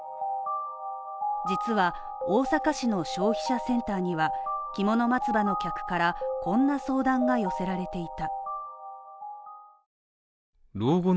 実は、大阪市の消費者センターにはきもの松葉の客からこんな相談が寄せられていた。